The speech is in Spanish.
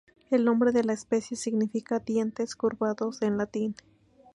El nombre de la especie significa "dientes curvados" en latín.